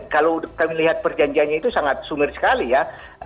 kalau kami lihat perjanjiannya itu sangat sumir sekali ya